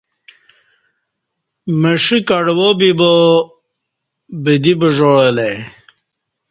مݜہ کڑوا بِبا بدی بژاع الہ ای